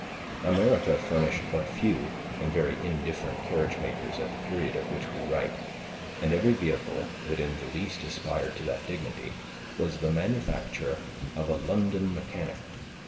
America furnished but few and very indifferent carriage makers at the period of which we write, and every vehicle, that in the least aspired to that dignity, was the manufacture of a London mechanic.